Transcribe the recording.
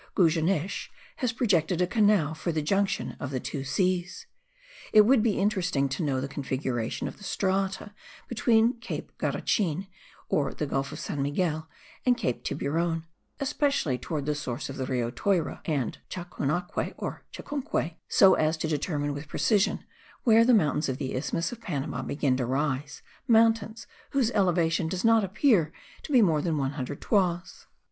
Gogueneche has projected a canal for the junction of the two seas. It would be interesting to know the configuration of the strata between Cape Garachine, or the Gulf of St. Miguel, and Cape Tiburon, especially towards the source of the Rio Tuyra and Chucunaque or Chucunque, so as to determine with precision where the mountains of the isthmus of Panama begin to rise; mountains whose elevation does not appear to be more than 100 toises.